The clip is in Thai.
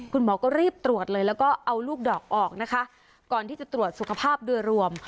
คุณหมอก็รีบตรวจเลยแล้วก็เอาลูกดอกออกนะคะก่อนที่จะตรวจสุขภาพโดยรวม